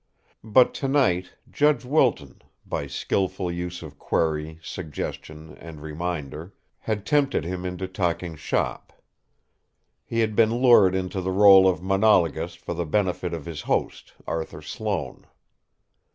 But tonight Judge Wilton, by skilful use of query, suggestion and reminder, had tempted him into talking "shop." He had been lured into the rôle of monologuist for the benefit of his host, Arthur Sloane.